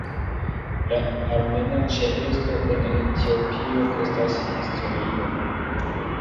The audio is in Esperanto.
La armena ĉeesto en Etiopio estas historia.